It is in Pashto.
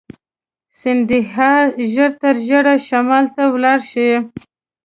سیندهیا ژر تر ژره شمال ته ولاړ شي.